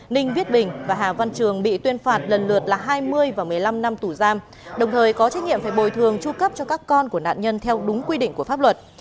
ninh viết bình và hà văn trường bị tuyên phạt lần lượt là hai mươi và một mươi năm năm tù giam đồng thời có trách nhiệm phải bồi thường tru cấp cho các con của nạn nhân theo đúng quy định của pháp luật